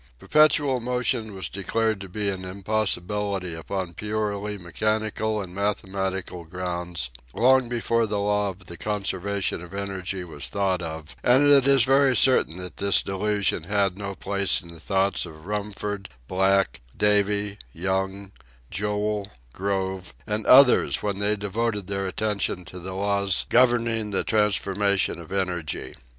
Perpetual motion was declared to be an impossibility upon purely mechanical and mathematical grounds long before the law of the conservation of energy was thought of, and it is very certain that this delusion had no place in the thoughts of Rumford, Black, Davy, Young, Joule, Grove, and others when they devoted their attention to the laws governing the transformation of energy.